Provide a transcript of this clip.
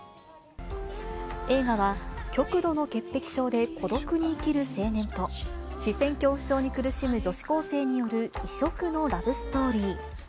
映画は、極度の潔癖症で孤独に生きる青年と、視線恐怖症に苦しむ女子高生による異色のラブストーリー。